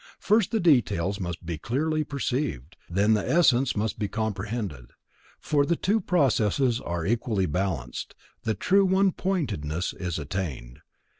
First, the details must be clearly perceived; then the essence must be comprehended. When the two processes are equally balanced, the true onepointedness is attained.